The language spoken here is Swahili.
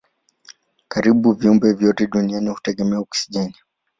Karibu viumbe vyote duniani hutegemea oksijeni.